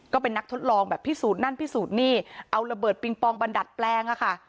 ก็เป็นนักทดลองแบบพิสูจน์นั่นพิสูจน์นี่เอาระเบิดปิงปองบันดัดแปลงอะค่ะ